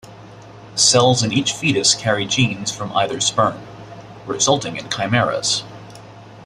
Cells in each fetus carry genes from either sperm, resulting in chimeras.